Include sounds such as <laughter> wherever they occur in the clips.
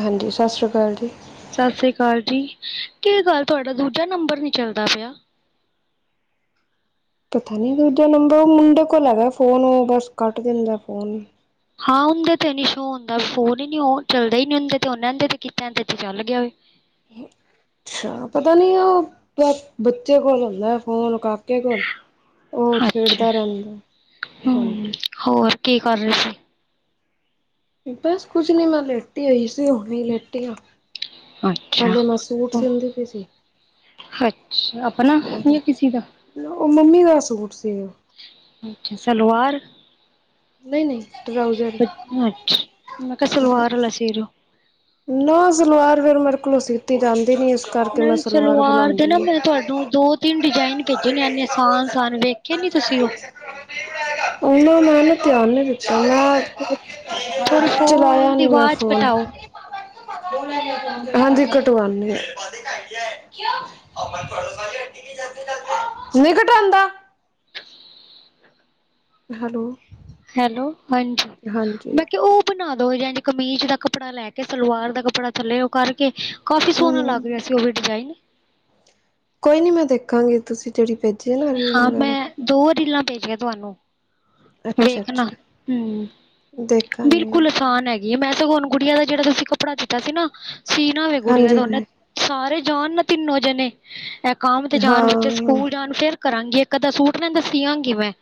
ਹਾਂਜੀ ਸਾਸਰੀ ਕਾਲ ਜੀ। ਸਾਸਰੀ ਕਾਲ ਜੀ, ਕੀ ਗੱਲ ਤੁਹਾਡਾ ਦੂਜਾ ਨੰਬਰ ਨੀ ਚੱਲਦਾ ਪਿਆ। ਪਤਾ ਨਹੀਂ ਦੂਜਾ ਨੰਬਰ ਆ ਮੁੰਡੇ ਕੋਲ ਐ ਵੈਅ ਫੋਨ ਆ ਉਹ ਬਸ ਕੱਟ ਦਿੱਦਾ ਫੋਨ ਆ ਹਾਂ ਉਦੇ ਤੇ ਨੀ ਸ਼ੋ ਹੁੰਦਾ ਆ ਫੋਨ ਈ ਨੀ ਉਹ ਚੱਲਦਾ ਹੀ ਨੀ ਹੁੰ ਤੇ ਉਹਦੇ ਕੀਤਾ ਤੇ ਚੱਲ ਗਿਆ ਏ ਹੇ ਏ ਅੱਛਾ ਆ ਪਤਾ ਨੀ ਉਹ ਬੱਚੇ ਕੋਲ ਹੁੰਦਾ ਫੋਨ ਕਰ ਕੇ ਕੋਲ ਉਹ ਅੱਛਾ ਛੇਡਦਾ ਆ ਰਹਿੰਦਾ ਐ ਹਾਂਜੀ ਹਮ ਈ ਹੋਰ ਕੀ ਕਰ ਰਹੇ ਸੀ ਈ ਬਸ ਕੁਛ ਨਹੀ ਮੈਂ ਲੇਟੀ ਹੋਈ ਸੀ ਈ ਉਹੀ ਲੇਟ ਆ ਅੱਛਾ ਪੇਲੇ ਮੈਂ ਸੂਟ ਸੀਦੀ ਪਈ ਸੀ ਹੱਛਾ ਆ ਆਪਣਾ ਹੱਕ ਨਈ ਐ ਕਿਸੀ ਕਾ ਆ ਉਹ ਮੰਮੀ ਦਾ ਸੂਟ ਸੀ ਅੱਛਾ ਆ ਸਲਵਾਰ ਨਈ ਈ ਨਈ ਈ ਟੁਵਾ ਵੀ ਤ ਅੱਛਾ ਆ ਮੈਂ ਕਿਹਾ ਸਲਵਾਰ ਲ ਸੀ ਦਿਓ ਨਾ ਸਲਵਾਰ ਫੇਿਰ ਮੇਰੇ ਕੋਲੋਂ ਸੀਤੀ ਜਾਂਦੀ ਨੀ ਅਜੇ ਨਈ ਸਲਵਾਰ ਦੇ ਨਾ ਮੈਂ ਤੁਹਾਾਨੂੰ ਦੋ ਤਿੰਨ ਡਿਜ਼ਾਇਨ ਭੇਜੇ ਨੇ ਇਨੇ ਸਾਨ ਸਾਨ ਡੇ ਏ ਵੇਖੇ ਨੀ ਤੁਸੀਂ ਉਹ ਉਹਨਾਂ ਮੈੰ ਨਾ ਧਿਆਰ ਨੀ ਦਿੱਤਾ ਯਾਰ ਥੋੜੀ ਫੋਨ ਚਲਾਇਆ ਦੀ ਨੀਂ ਮੈਂ ਆਵਾਜ਼ ਫੋਨ ਘਟਾਓ ਹਾਂਜੀ ਘਟਵਾਨੀ ਐ ਕਿਓ ਨਹੀਂ ਘਟਾਨਦਾ ਹੈਲੋ ਹੈਲੋ ਹਾਂਜੀ ਹਾਂਜੀ ਮੈਂ ਕਿਹਾ ਓ ਬਣਾ ਦੋ ਜਾਂਨੀ ਕਮੀਜ਼ ਦਾ ਕੱਪੜਾ ਲੈ ਕੇ ਸਲਵਾਰ ਦਾ ਕੱਪੜਾ ਥੱਲੇ ਉਹ ਕਰਕੇ ਕਾਫੀ ਸੋਹਣਾ ਹੂੰ। ਲੱਗ ਰਿਹਾ ਸੀ ਉਹ ਵੀ ਡਿਜ਼ਾਇਨ ਕੋਈ ਨੀ ਮੈਂ ਦੇਖਾਗੀ ਤੁਸੀਂ ਜਿਹੜੀ ਭੇਜੀ ਹੈ ਨਾ ਰੀਲ ਹਾਂ ਵਗੈਰਾ ਮੈਂ ਦੋ ਰੀਲਾਂ ਭੇਜਿਆ ਤੁਹਾਨੂੰ ਵੇਖਣਾ ਅੱਛਾ-ਅੱਛਾ। ਹਮ ਦੇਖਾਂਗੇ ਬਿਲਕੁਲ ਆਸਾਨ ਹੈ ਮੈਂ ਸਗੋ ਗੁਡੀਆਂ ਦਾ ਜਿਹੜਾ ਤੁਸੀਂ ਕੱਪੜਾ ਦਿੱਤਾ ਸੀ ਨਾ ਸੀਨਾ ਹੋਵੇ ਗੁਡੀਆਂ ਦਾ ਉਹਨੇ ਹਾਂਜੀ-ਹਾਂਜੀ। ਸਾਰੇ ਜਾਣ ਨਾ ਤਿੰਨੋ ਜਿਹਨੇ ਐ ਕੰਮ ਤੇ ਜਾਣ ਹਾਂ, ਬੱਚੇ ਸਕੂਲ ਜਾਣ ਫੇਰ ਕਰਾਂਗੀ ਇੱਕ ਅੱਧਾ ਸੂਟ ਨਾ ਇਨ੍ਹਾਂ ਦਾ ਸੀਆ ਗੀ ਮੈਂ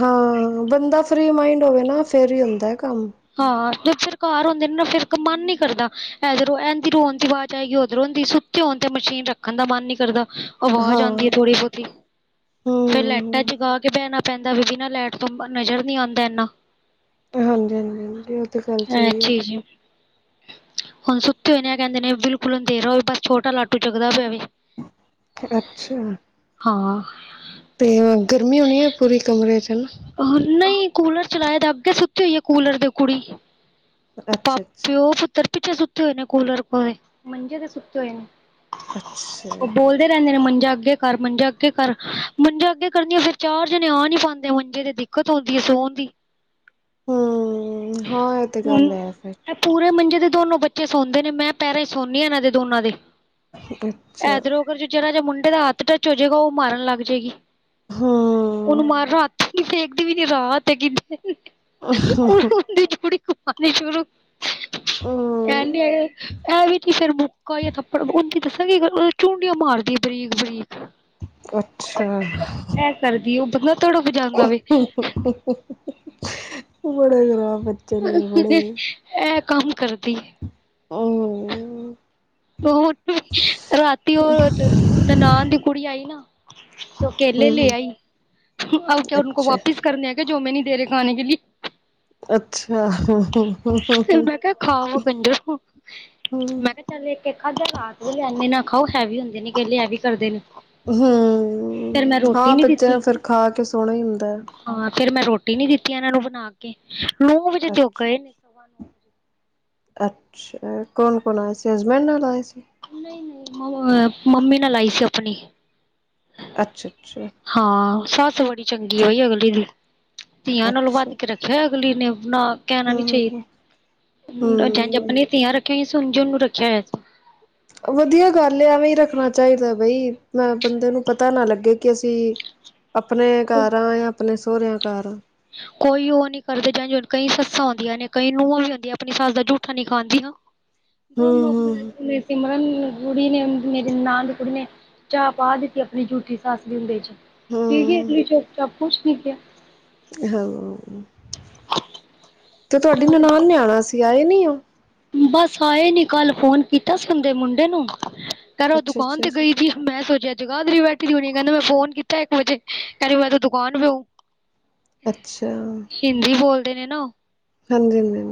ਹਾਂ ਬੰਦਾ ਫਰੀ ਮਾਈੰਡ ਹੋਵੇ ਨਾ ਫੇਰ ਹੀ ਹੁੰਦਾ ਹੈ ਕੰਮ ਹਾਂ ਫਿਰ ਘਰ ਹੁੰਦੇ ਨੇ ਨਾ ਫਿਰ ਮਨ ਨੀ ਕਰਦਾ ਐਧਰੋਂ ਇਦੀ ਰੋਣ ਦੀ ਆਵਾਜ਼ ਆਏਗੀ ਓਧਰੋਂ ਓਂਦ ਸੁਤੇ ਹੁਣ ਤੇ ਮਸ਼ੀਨ ਰੱਖਣ ਦਾ ਮਨ ਨਹੀਂ ਕਰਦਾ ਆਵਾਜ਼ ਹਾਂ, ਆਉਂਦੀ ਹੈ ਥੋੜੀ ਬਹੁਤੀ ਫੇਰ ਲਾਈਟਾਂ ਹੂੰ, ਜਗਾ ਕੇ ਬੈਣਾ ਪੈਂਦਾ ਵੀ ਬਿਨਾ ਲੈਟ ਤੋਂ ਨਜ਼ਰ ਨਹੀਂ ਆਉਂਦਾ ਇਨਾ ਹਾਂਜੀ ਹਾਂਜੀ ਹਾਂਜੀ ਇਹ ਤਾਂ ਗੱਲ ਇਹ ਸਹੀ ਹੈ ਚੀਜ਼ ਹੁਣ ਸੁੱਤੇ ਹੋਏ ਨੇ ਕਹਿੰਦੇ ਨੇ ਬਿਲਕੁਲ ਅੰਦੇਰਾ ਬਸ ਛੋਟਾ ਲਾਟੂ ਜਗਦਾ ਪਿਆ ਹੋਵੇ ਅੱਛਾ ਹਾਂ ਤੇ ਗਰਮੀ ਹੋਣੀ ਹੈ ਪੂਰੀ ਕਮਰੇ ਚ ਹੈਨਾ ਹਾ ਨਹੀਂ ਕੂਲਰ ਚਲਾਏ ਦਾ ਅੱਗੇ ਸੁੱਤੇ ਹੋਈ ਹੈ ਕੂਲਰ ਦੇ ਕੁੜੀ ਪਾ ਅੱਛਾ, ਅੱਛਾ, ਪਿਓ ਪੁੱਤਰ ਪਿੱਛੇ ਸੁੱਤੇ ਹੋਏ ਨੇ ਕੂਲਰ ਕੋਲੇ ਮੰਜੇ ਦੇ ਸੁੱਤੇ ਹੋਏ ਨੇ ਅੱਛਾ ਕਹਿੰਦੇ ਨੇ ਮੰਜਾ ਆਗੇ ਕਰ ਮੰਜਾ ਅੱਗੇ ਕਰ ਮੰਜਾ ਅੱਗੇ ਕਰ ਦੀਆਂ ਫਰ ਚਾਰ ਜਣੇ ਆ ਨੀ ਪਾਉਂਦੇ ਮੰਜਾ ਮੰਜੇ ਤੇ ਦਿੱਕਤ ਆਉਂਦੀ ਹੈ ਸੋਂਨਦੀ ਹਮ ਹਾਂ ਐ ਤੇ ਹੁਣ ਗੱਲ ਹੈ ਫ਼ਿਰ ਇਹ ਪੂਰੇ ਮੰਜੇ ਤੇ ਦੋਨੋ ਬੱਚੇ ਸੌਦੇ ਨੇ ਮੈਂ ਪੈਰਾਂ ਚ ਸੋਂਨੀ ਐ ਇਹਨਾਂ ਦੇ ਦੋਨਾਂ ਦੇ ਅੱਛਾ, ਐਧਰੋ ਅਗਲ ਜਰਾ ਜਿਹਾ ਮੁੰਡੇ ਦਾ ਹੱਥ ਟੱਚ ਹੋ ਜਾਏਗਾ ਉਹ ਮਾਰਨ ਲੱਗ ਜਾਏਗੀ ਉਹਨੂੰ ਹੂੰ। ਮਾਰਨਾ ਰਾਤ ਨੀ ਵੇਖਦੀ ਵੀ ਰਾਤ ਹੈ ਕਿ ਓਨੂੰ ਉਹਦੀ ਜੂੜੀ ਘਮਾਨੀ ਸ਼ੁਰੂ ਐ ਨੀ ਹੂੰ, ਹੈਗੇ ਐਵੀ ਕਿ ਫੇਰ ਨਿੱਕਾ ਜਿਹਾ ਥੱਪੜ ਉਹਦੀ ਦੱਸਾਂਗੇ ਕੀ ਕਰ, ਉਹ ਚੁਡੀਆਂ ਮਾਰਦੀ ਬਰੀਕ, ਬਰੀਕ ਅੱਛਾ ਏ ਕਰਦੀ ਉਹ ਬੰਦਾ ਥੋੜਾ ਬੜੇ ਖਰਾਬ ਬੱਚੇ ਨੇ ਬੜੇ। ਐ ਕੰਮ ਕਰਦੀ ਏ ਹੂੰ ਰਾਤੀ ਉਹ ਨਨਾਣ ਦੀ ਕੁੜੀ ਆਈ ਨਾ ਓ ਕੇਲੇ ਲੈ ਹੂੰ, ਆਈ, ਉਨ ਕੋ ਅੱਛਾ। ਵਾਪਿਸ ਮੈ ਕਿਹਾ ਜੋ ਹਮੇਂ ਨਹੀਂ ਦੇ ਰਹੇ ਖਾਣੇ ਕੇ ਲੀ ਅੱਛਾ ਹੂੰ ਹੂੰ ਫਿਰ ਮੈਂ ਕਿਹਾ ਖਾਵੋ ਕਜਰੋ ਮੈਂ ਕਿਹਾ ਇਕ - ਇਕ ਖਾਧਾ ਰਾਤ ਨੂੰ ਏਨੇ ਨਾ ਖਾਓ ਹੈਵੀ ਹੁੰਦੇ ਨੇ ਕੇਲੇ ਹੈਵੀ ਵੀ ਕਰਦੇ ਨੇ ਹੂੰ, ਫਿਰ ਮੈਂ ਰੋਟੀ ਹਾਂ ਨੀ ਬੱਚਿਆਂ ਦਿੱਤੀ ਨੂੰ ਫਿਰ ਖਾ ਕੇ ਸੋਣਾ ਹੀ ਹੁੰਦਾ ਹਾਂ ਫਿਰ ਮੈਂ ਰੋਟੀ ਨੀ ਦਿੱਤੀ ਇਹਨਾਂ ਨੂੰ ਬਣਾ ਕੇ, ਨੌ ਵਜੇ ਤੇ ਉਹ ਗਏ ਅੱਛਾ ਨੇ ਅੱਛਾ, ਕੋਣ- ਕੋਣ ਆਇਆ ਸੀ ਹਸਬੈਂਡ ਨਾਲ ਆਏ ਸੀ ਨਹੀਂ- ਨਹੀਂ ਮੰਮੀ ਨਾਲ ਆਈ ਸੀ ਆਪਣੀ ਅੱਛਾ- ਅੱਛਾ ਹਾਂ ਸੱਸ ਬੜੀ ਚੰਗੀ ਤੇ ਓਹੀ ਅਗਲੀ ਦੀ, ਧੀਆਂ ਨਾਲੋਂ ਅੱਛਾ ਵੱਧ ਕੇ ਰਖਦੀ ਰਖਿਆ ਅਗਲੀ ਨੇ ਬਨਾ ਕਹਿਣਾ ਹੂੰ ਨੀ ਹੂੰ ਚਾਹੀਦਾ, ਹੂੰ ਜਿ ਧੀਆਂ ਰਖੀਆ ਸਮਝਣ ਨੂੰ ਰੱਖਿਆ ਹੋਇਆ ਸੀ ਵਧੀਆ ਗਲ ਐਵੇਂ ਹੀ ਰੱਖਣਾ ਚਾਹੀਦਾ ਬਈ, ਮੈਂ ਬੰਦੇ ਨੂੰ ਪਤਾ ਨਾ ਲੱਗੇ ਕਿ ਅਸੀ ਹਾਂ ਆਪਣੇ ਘਰ ਆ ਜਾ ਆਪਣੇ ਸੁਹਰਿਆਂ ਘਰ ਆ ਕੋਈ ਉਹ ਨੀ ਕਰਦੇ ਜਾਂ ਕਈ ਸੱਸਾਂ ਹੁੰਦੀਆਂ ਨੇ, ਕਈ ਨੂੰਹਾਂ ਵੀ ਹੁੰਦੀਆਂ, ਆਪਣੀ ਸੱਸ ਦਾ ਜੂਠਾ ਨਹੀਂ ਖਾਂਦੀਆ। ਹੂੰ ਦੋਨੋ ਨੌਕਰੀ, ਹੂੰ ਮੇਰੀ ਸਿਮਰਨ ਕੁੜੀ ਨੇ ਮੇਰੇ ਨਾਨਣ ਦੀ ਕੁੜੀ ਨੇ, ਚਾਹ ਪਾ ਦਿੱਤੀ ਆਪਣੀ ਜੂਠੀ ਸੱਸ ਦੇਦੇ ਚ ਠੀਕ ਹੂੰ ਅਗਲੀ ਚੁਪ ਚਾਪ ਕੁਛ ਨੀ ਕਿਹਾ ਹੈਲੋ ਤੁਹਾਡੀ ਨਨਾਣ ਨੇ ਆਣਾ ਸੀ ਆਏ ਨੀ ਉਹ ਬਸ ਆਏ ਨੀ ਕਲ ਫੋਨ ਕੀਤਾ ਸੀ ਉਦੇ ਮੁੰਡੇ ਨੂੰ, ਕਹਿੰਦਾ ਅੱਛਾ ਦੁਕਾਨ ਅੱਛਾ ਤੇ ਅੱਛਾ ਗਈ ਏ ਮੈਂ ਸੋਚਿਆ ਜਗਾਧਰੀ ਬੈਠੀ ਦੀ ਹੋਣੀ ਕਹਿੰਦਾ ਮੈਂ ਫੋਨ ਕੀਤਾ ਇਕ ਵਜੇ ਕਹਿੰਦੀ ਮੈਂ ਤੇ ਦੁਕਾਨ ਪੇ ਹੂੰ ਅੱਛਾ ਹਿੰਦੀ ਬੋਲਦੇ ਨੇ ਨਾ ਉ ਹਾਂਜੀ -ਹਾਂਜੀ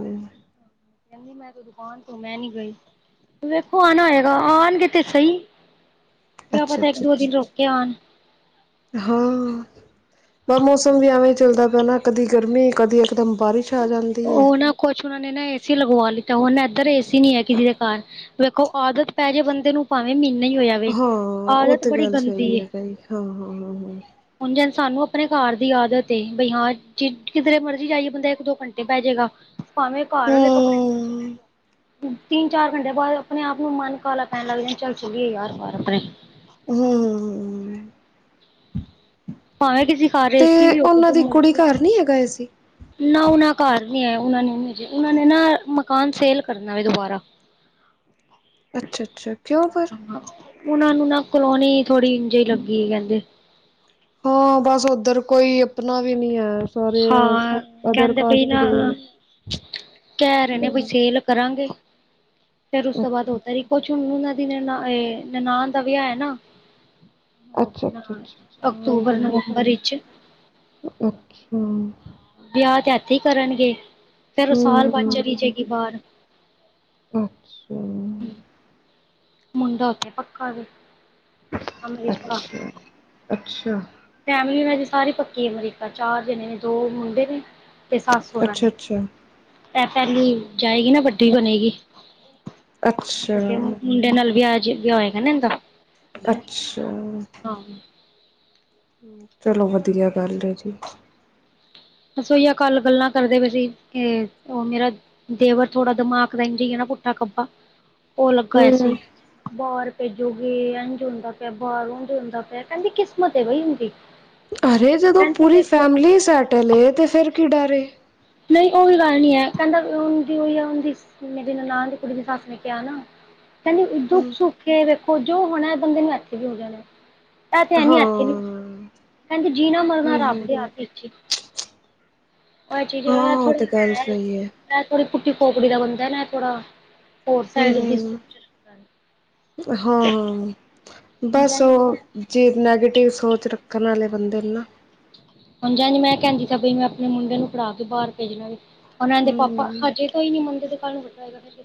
ਕਹਿੰਦੀ ਮੈਂ ਤੇ ਦੁਕਾਨ ਤੇ ਮੈਂ ਨੀ ਗਈ ਵੇਖੋ ਆਉਣਾ ਹੋਇਆ ਆਉਣਗੇ ਤੇ ਸਹੀ, ਕਿਆ ਅੱਛਾ ਪਤਾ ਇਕ ਅੱਛਾ ਦੋ ਅੱਛਾ ਦਿਨ ਰੁਕ ਕੇ ਅੱਛਾ ਆਉਣ ਹਾਂ ਮੌਸਮ ਵੀ ਐਵੇਂ ਚੱਲਦਾ ਪਿਆ ਕਦੀ ਗਰਮੀ ਕਦੀ ਇਕਦਮ ਬਾਰਿਸ਼ ਆ ਜਾਂਦੀ ਏ ਉਹ ਨਾ ਕੁਛ ਉਹਨਾਂ ਨੇ ਨਾ ਏਸੀ ਲਗਵਾ ਲਿੱਤਾ ਹੁਣ ਨਾ ਇੱਧਰ ਏਸੀ ਨੀ ਹੈ ਕਿਸੇ ਦੇ ਘਰ ਵੇਖੋ ਆਦਤ ਪੈ ਜੇ ਬੰਦੇ ਨੂੰ ਭਾਵੇਂ ਮਹੀਨਾ ਹੀ ਹੋਇਆ ਵੇ, ਹਾਂ ਉਹ ਆਦਤ ਤੇ ਬੜੀ ਗੱਲ ਗੰਦੀ ਸਹੀ ਏ ਹੈ ਭਾਈ ਹਾਂ ਹਾਂ ਹਾਂ ਹੁਣ ਸਾਨੂੰ ਆਪਣੇ ਘਰ ਦੀ ਆਦਤ ਏ ਬਈ ਹਾਂ ਚ ਕਿਧਰੇ ਮਰਜ਼ੀ ਜਾਈਏ ਬੰਦੇ ਦੋ ਘੰਟੇ ਪੈ ਜਾਏਗਾ, ਭਾਵੇਂ ਘਰ ਹਾਂ ਵਾਲੇ ਕੱਪੜਿਆਂ ਚਲੇ ਹਮ ਜਾਉ ਤਿੰਨ ਚਾਰ ਘੰਟੇ ਬਾਅਦ ਆਪਣੇ ਆਪ ਨੂੰ ਮਨ ਕਾਲਾ ਪੈਣ ਲੱਗ ਜਾਂ ਚੱਲ ਚੱਲੀਏ ਯਾਰ ਘਰ ਆਪਣੇ ਹੂੰ, ਹੂੰ, ਹੂੰ ਭਾਵੇਂ ਕਿ ਸੀਖਾ ਰਹੇ ਤੇ ਸੀ ਵੀ ਹੋਵੇ ਉਹਨਾਂ ਜੋ ਦੀ ਕੁੜੀ ਮਰਜੀ ਘਰ ਨੀ ਹੈਗਾ ਸੀ ਨਾ ਉਹਨਾਂ ਘਰ ਨੀ ਆ ਉਹਨਾਂ ਨੇ ਨਾ ਮਕਾਨ ਸੇਲ ਕਰਨਾ ਵ ਦੁਬਾਰਾ ਅੱਛਾ ਅੱਛਾ ਕਿਉਂ ਉਹਨਾਂ ਨੂੰ ਨਾ ਕਲੋਨੀ ਥੋੜੀ ਇੰਝ ਲੱਗੀ ਕਹਿੰਦੇ ਹਾਂ ਬਸ ਉਧਰ ਕੋਈ ਆਪਣਾ ਵੀ ਨਹੀਂ ਹੈ ਸਾਰੇ ਹਾਂ ਉੱਧਰ ਕਹਿੰਦੇ ਬਈ ਓਥਰਕੈਸਤੇ ਨਾ ਦੇ ਹਿ ਨੇ ਕਹਿ ਰਹੇ ਨੇ ਬਈ ਸੇਲ ਕਰਾਂਗੇ ਫੇਰ ਉਸ ਤੋਂ ਬਾਅਦ ਅੱਛਾ ਹੋ ਤਾਂਰੀ ਅੱਛਾ ਕੁ ਝੁਨੂਨਾਂ ਦੀ ਨ ਨਨਾਾਨ ਦਾ ਵਿਆਹ ਹੈ ਨਾ ਅੱਛਾ ਉਹਣਾ ਅੱਛਾ ਅੱਛਾ ਅਕਤੂਬਰ ਹਾਂਜੀ ਹਾਂਜੀ ਨਵੰਬਰ ਵਿੱਚ ਅੱਛਾ ਵਿਆਹ ਤੇ ਇੱਥੇ ਹੀ ਕਰਨਗੇ ਫੇਰ ਉਹ ਸਾਲ ਬਾਅਦ ਚਲੀ ਹਮ ਜਾਏਗੀ ਬਾਹਰ ਅੱਛਾ ਮੁੰਡਾ ਉੱਥੇ ਪੱਕਾ ਵੀ ਅੱਛਾ ਅੱਛਾ ਫੈਮਲੀ ਏਨਾ ਦੀ ਸਾਰੀ ਪੱਕੀ ਅਮਰੀਕਾ ਚਾਰ ਜਣੇ ਨੇ ਦੋ ਮੁੰਡੇ ਨੇ ਤੇ ਸੱਸ ਸੋਹਰਾ ਨੇ ਅੱਛਾ ਅੱਛਾ ਇਹ ਪਹਿਲੀ ਜਾਏਗੀ ਨਾ ਵੱਡੀ ਬਣੇਗੀ ਅੱਛਾ ਵੱਡੇ ਮੁੰਡੇ ਨਾਲ ਵਿਆਹ ਅਜੇ ਵੀ ਹੋਏਗਾ ਨਾ ਇਦਾ ਅੱਛਾ ਹਾਂ ਚਲੋ ਵਧੀਆ ਗੱਲ ਜੀ ਰਸੋਈਆ ਕੱਲ ਗੱਲਾਂ ਕਰਦੇ ਪਏ ਸੀ ਉਹ ਮੇਰਾ ਦੇਵਰ ਥੋੜਾ ਦਿਮਾਗ ਦਾ ਇੰਝ ਹੈ ਨਾ ਪੁੱਠਾ ਖੱਬਾ ਉਹ ਲੱਗਾ ਹਮ ਸੀ ਬਾਹਰ ਭੇਜੋਗੇ ਇੰਝ ਹੁੰਦਾ ਪਿਆ ਬਾਹਰ ਉਝ ਹੁੰਦਾ ਪਿਆ ਕਹਿੰਦੀ ਕਿਸਮਤ ਬ ਹੁੰਦੀ ਅਰੇ ਜਦੋਂ ਪੂਰੀ ਫੈਮਲੀ ਸੈਟਲ ਏ ਤੇ ਫੇਰ ਕੀ ਡਰੇ ਨਹੀਂ ਉਹੀ ਗੱਲ ਨੀ ਹੈ ਕਹਿੰਦਾ ਹਦੀ ਉਈ ਹੈ ਹਦ ਮੇਰੀ ਨਨਾਣ ਦੀ ਕੁੜੀ ਦੀ ਸੱਸ ਨੇ ਕਹਿ ਆ ਨਾ ਕਹਿੰਦੀ ਦੁੱਖ ਹਮ ਸੁੱਖ ਕੇ ਵੇਖੋ ਜੋ ਹੋਣਾ ਬੰਦੇ ਨੂੰ ਇੱਥੇ ਵੀ ਹੋ ਜਾਣਾ ਇਹ ਤੇ ਐਨੀ ਹਾਂ ਇੱਥੇ ਨੀ ਕਹਿੰਦੇ ਜੀਣਾ ਮਰਨਾ ਹਾਂ ਰੱਬਦੇ ਹ ਹੱਥ ਵਿੱਚ ਆ ਜ ਹਾਂ ਹੋਇਆ ਉਹ ਥੋੜਾ ਤੇ ਗੱਲ ਹੈ ਸਹੀ ਮ ਥੋੜੀ ਪੁੱਟੀ ਪੋਕੜੀ ਦਾ ਬੰਦਾ ਨਾ ਥੋੜਾ ਹੋਰ ਸਾਈ ਹਾਂ-ਹਾਂ ਹੁਣ ਜਾ ਬੱਸ ਉਹ ਜੇ ਨੈਗੇਟਿਵ ਸੋਚ ਰੱਖਣ ਵਾਲੇ ਬੰਦੇ ਨੂੰ ਨਾ ਹਾਂਜੀ-ਹਾਂਜੀ, ਮੈਂ ਕਹਿੰਦੀ ਸੀ ਬਈ ਮੈਂ ਆਪਣੇ ਮੁੰਡੇ ਨੂੰ ਫੜਾ ਕੇ ਬਾਹਰ ਭੇਜਣਾ ਵੀ। ਹੁਣ ਇਹਦੇ ਪਾਪਾ ਹਮ ਹਜੇ ਔਖਾ ਨੀ ਮੰਨਦੇ ਕੱਲ ਨੂੰ ਵੱਡਾ ਹੋਗਏ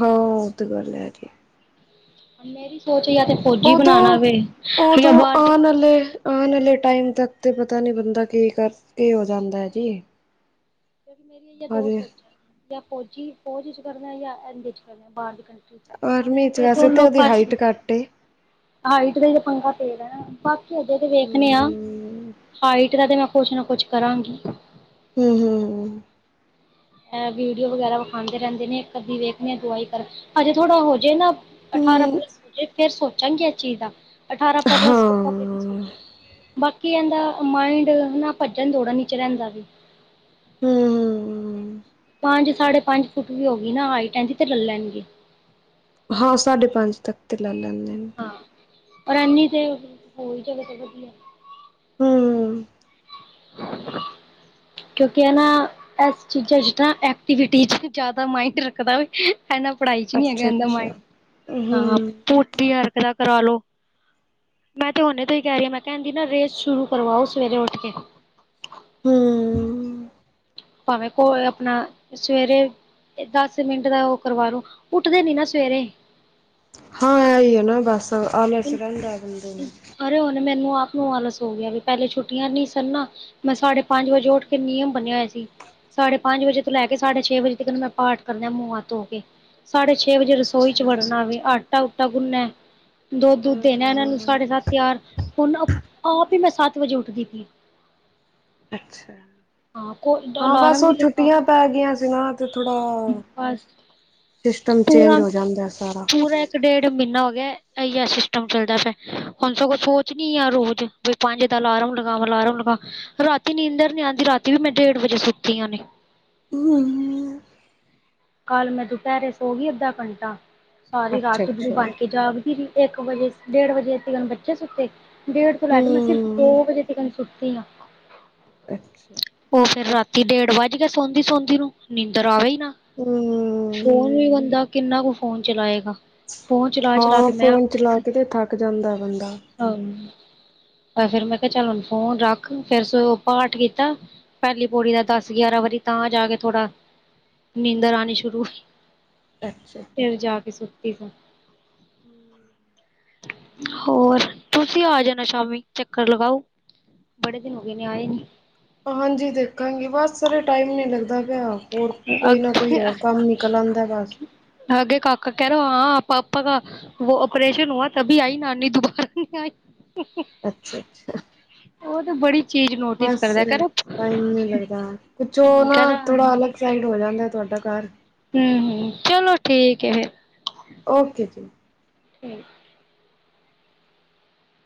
ਹਾਂ, ਉਹ ਤੇ ਗੱਲ ਆ। ਮੇਰੀ ਸੋਚ ਜਾ ਤੇ ਫੌਜੀ ਬਣਾਉਣਾ ਉਦੋਂ ਵੇ, ਯਾ ਬਾਹਰ ਭੇ ਆਨ ਨਾਲੇ ਟਾਈਮ ਤੱਕ ਤਾਂ ਪਤਾ ਨਹੀਂ ਬੰਦਾ ਕੀ ਕਰਕੇ ਹੋ ਜਾਂਦਾ ਹੈ ਜੀ ਮੇਰੀਆ ਇ ਦੋ ਹਜੇ ਸੋਚਾਂ ਜਾਂ ਫੌਜੀ ਫੌਜ ਚ ਕਰਨਾ ਜਾਂ ਐ ਚਨਾ ਬਾਹਰ ਦੀ ਕੰ ਹੁਣ ਆਰਮੀ ਚ ਏਹ ਵੈਸੇ ਤੇ ਦੋਨੋ ਉਹਦੀ ਫਸ ਗਏ ਹਾਈਟ ਘੱਟ ਏ ਹਾਈਟ ਦਾ ਤੇ ਪੰਗਾਾ ਪੇ ਗਾ ਬਾਕੀ ਅਜੇ ਤੇ ਵੇਖਣੇ ਆ ਹਮ ਹਾਈਟ ਦਾ ਤੇ ਮੈਂ ਕੁਛ ਨਾ ਕੁਛ ਕਰਾਂਗੀ ਹਮ ਹਮ ਐ ਵੀਡੀਓ ਵਗੈਰਾ ਵਿਖਾਂਦੇ ਰਹਿੰਦੇ ਨੇ ਇੱਕ ਅੱਧੀ ਵੇਖਦੇ ਦਵਾਈ ਕਰ ਹਜੇ ਥੋੜਾ ਹੋ ਜਾੇ ਨਾ ਅਠਾਰਾਂ ਹਮ ਹਮ ਪਲੱਸੇ ਹੋਜੇ ਫਿਰ ਸੋਚਾਂਗੇ ਇਸ ਚੀਜ਼ ਦਾ ਅਠਾਰਾਂ ਪੱਸ ਹਾਂ ਬਾਕੀ ਇਹਦਾ ਮਾਇੰਡ ਹਨਾ ਭੱਜਣ ਦੌੜਨ ਚ ਰਹਿੰਦਾ ਵੀ ਹਮ ਹਮਮ ਪੰਜ ਸਾਢੇ ਪੰਜ ਫੁੱਟ ਵੀ ਹੋ ਗਈ ਨਾ ਹਾਈਟ ਇਦੀ ਤੇ ਲੈ ਲੈਣਗੇ ਹਾਂ ਸਾਢੇ ਪੰਜ ਤੱਕ ਤੇ ਲਾ ਲੈਂਦੇ ਨੇ। ਹਾਂ, ਔਰ ਐਨੀ ਤੇ ਹੋਰ ਜ੍ਹਗਾ ਤੇ ਵਧੀਆ ਹੂੰ <unintelligible> ਕਿਉਂਕਿ ਐ ਨਾ, ਇਸ ਚੀਜ਼ਾਂ 'ਚ ਨਾ ਐਕਟੀਵਿਟੀ ਚ ਨਾ ਜ਼ਿਆਦਾ ਮਾਈੰਡ ਰੱਖਦਾ- ਇਨਾ ਪੜ੍ਹਾਈ 'ਚ ਨੀ ਹੈਗਾ ਅੱਛਾ ਏਦਾ ਅੱਛਾ ਮਾਇੰਡ, ਹਾਂ ਹਮ ਪੂਟੀ ਹਰਕ ਦਾ ਕਰਾ ਲੋ। ਮੈਂ ਤੇ ਹੁਨੇ ਤੋਂ ਹੀ ਕਹਿ ਰਹੀ ਆ ਮੈਂ ਕਿਹਾ ਇੰਦੀ ਨਾ ਰੇਸ ਸ਼ੁਰੂ ਕਰਵਾਓ ਸਵੇਰੇ ਉੱਠ ਕੇ। ਹੂੰ ਭਾਵੇਂ ਕੋ ਆਪਣਾ, ਸਵੇਰੇ ਦਸ ਮਿੰਟ ਦਾ ਉਹ ਕਰਵਾ ਲੋ, ਉੱਠਦੇ ਨੀ ਨਾ ਸਵੇਰੇ। ਹਾਂ ਇਹ ਹੀ ਆ ਨਾ ਬਸ ਆਲਸ ਰਹਿੰਦਾ ਏ ਬੰਦੇ ਨੂੰ। ਅਰੇ ਹੁਣ ਮੈਨੂੰ ਆਪ ਨੂੰ ਆਾਲਸ ਹੋ ਗਿਆ ਵੀ ਪਹਿਲੇ ਛੁੱਟੀਆਂ ਨਹੀਂ ਸਨ ਨਾ- ਮੈਂ ਸਾਢੇ ਪੰਜ ਵਜੇ ਉੱਠ ਕੇ ਨਿਯਮ ਬਨਿਆ ਹੋਇਆ ਸੀ। ਸਾਢੇ ਪੰਜ ਵਜੇ ਤੋਂ ਲੈ ਕੇ ਸਾਢੇ ਛੇ ਵਜੇ ਤੀਕਰ ਮੈਂ ਪਾਠ ਕਰਦੀ ਆਂ ਮੂੰਹਾਂ ਹੱਥ ਧੋ ਕੇ। ਸਾਢੇ ਛੇ ਵਜੇ ਰਸੋਈ 'ਚ ਅੱਛਾ ਵੜਨਾ ਵੇ ਆਟਾ-ਊਟਾ ਗੁੰਨਿਆ। ਦੁੱਧ ਦੁੱਧ ਦੇਣਾ ਇਹਨਾਂ ਨੂੰ ਹਮ ਸਾਢੇ ਸੱਤ ਤਿਆਰ, ਹੁਣ ਆਪ ਈ ਮੈਂ ਸੱਤ ਵਜੇ ਉੱਠਦੀ ਪਈ। ਅੱਛਾ। ਹਾਂ ਕੋ ਹਾਂ ਬਸ ਅਲਾਰਮ ਉਹ ਵੀ ਲਗਾ ਛੁੱਟੀਆਂ ਪੈ ਗਈਆਂ ਸੀ ਨਾ ਤੇ ਥੋੜਾ- ਬਸ ਸਿਸਟਮ ਚੇਂਜ ਪੂਰਾ ਹੋ ਜਾਂਦਾ ਸਾਰਾ। ਪੂਰਾ ਇੱਕ ਡੇਢ ਮਹੀਨਾ ਹੋ ਗਿਆ ਇਹੀ ਆ ਸਿਸਟਮ ਚੱਲਦਾ ਫਿਰ, ਹੁਣ ਸਗੋ ਸੋਚਨੀ ਆ ਰੋਜ਼- ਵੀ ਪੰਜ ਦਾ ਅਲਾਰਮ ਲਗਾਵਾ ਅਲਾਰਮ ਲਗਾ- ਰਾਤੀ ਨੀਂਦਰ ਨੀ ਆਦੀ ਰਾਤੀ ਵੀ ਮੈਂ ਡੇਢ ਵਜੇ ਸੁੱਤੀ ਆਨੇ। ਹੂੰ ਕੱਲ ਮੈਂ ਦੁਪਹਿਰੇ ਸੋ ਗਈ ਅੱਧਾ ਘੰਟਾ। ਸਾਰੀ ਰਾਤੂ ਅੱਛਾ-ਅੱਛਾ। ਬਣ ਕੇ ਜਾਗਦੀ ਰਹੀ ਇੱਕ ਵਜੇ ਡੇਢ ਵਜੇ ਤੀਕਰ ਬੱਚੇ ਸੁੱਤੇ- ਡੇਢ ਤੋਂ ਲੈ ਕੇ ਮੈਂ ਸਿਰਫ਼ ਦੋ ਹੂੰ। ਵਜੇ ਤੀਕਨ ਸੁੱਤੀ ਆ। ਅੱਛਾ। ਉਹ ਫੇਰ ਰਾਤੀ ਡੇਢ ਵੱਜ ਗਿਆ ਸੌਦੀ-ਸੌਦੀ ਨੂੰ ਨੀਂਦਰ ਆਵੇ ਈ ਨਾ। ਹੂੰ ਫੋਨ ਵੀ ਬੰਦਾ ਕਿੰਨਾ ਕੁ ਫੋਨ ਚਲਾਏਗਾ। ਫੋਨ ਚਲਾ ਚਲਾ ਹਾਂ ਕੇ ਮੈਂ ਫੋਨ ਚਲਾ ਕੇ ਤੇ ਥੱਕ ਜਾਂਦਾ ਬੰਦਾ। ਫੇਰ ਮੈਂ ਕਿਹਾ ਚੱਲ ਹੁਣ ਫੋਨ ਰੱਖ ਫੇਰ ਸਗੋ ਪਾਠ ਕੀਤਾ। ਪਹਿਲੀ ਪੌੜੀ ਦਾ ਦਸ ਗਿਆਰਾਂ ਵਾਰੀ ਤਾਂ ਜਾ ਕੇ ਥੋੜਾ, ਨੀਂਦਰ ਆਣੀ ਸ਼ੁਰੂ ਹੋਈ। ਅੱਛਾ‌। ਫਿਰ ਜਾ ਕੇ ਸੁੱਤੀ ਸਾਂ। <inaudible> ਹੋਰ, ਤੁਸੀਂ ਆ ਜਾਣਾ ਸ਼ਾਮੀ, ਚੱਕਰ ਲਗਾਓ। ਬੜੇ ਦਿਨ ਹੋ ਗਏ ਨੇ ਆਏ ਨੀ। ਹਾਂਜੀ ਦੇਖਾਂਗੀ ਬਸ ਸਾਰੇ ਟਾਈਮ ਨੀ ਲੱਗਦਾ ਪਿਆ। ਹੋਰ ਕੋਈ ਨਾ ਕੋਈ ਹੋਰ ਕੰਮ ਨਿਕਲ ਆਦਾ ਬਸ। ਅਗੇ ਕਾਕਾ ਕਹਿ ਰੋ ਹਾਂ ਪਾਪਾ ਕਾ- ਵੋ ਓਪਰੇਸ਼ਨ ਹੂਆ ਤਭੀ ਆਈ ਨਾਨੀ ਦੁਬਾਰਾ ਨਹੀਂ ਆਈ। ਅੱਛਾ-ਅੱਛਾ। ਉਹ ਤਾਂ ਬੜੀ ਚੀਜ਼ ਨੋਟਿਸ ਬਸ ਕਰਦਾ ਕਹਿ ਰਿਹਾ ਟਾਈਮ ਨੀ ਲੱਗਦਾ ਕੁਛ ਉਹ ਨਾ ਕਹਿ ਰਿਹਾ ਥੋੜਾ ਹੂੰ ਅਲੱਗ ਇੱਕ ਸਾਈਡ ਹੋ ਜਾਂਦਾ ਤੁਹਾਡਾ ਘਰ। ਹਮ -ਹਮ। ਚਲੋ ਠੀਕ ਹੈ ਫੇਰ ਓਕੇ ਜੀ। ਠੀਕ